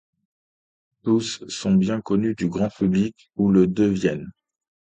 Tous sont bien connus du grand public, ou le deviennent.